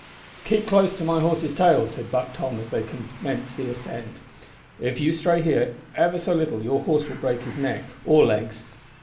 "Keep close to my horse's tail," said Buck Tom, as they commenced the ascent. "If you stray here, ever so little, your horse will break his neck or legs."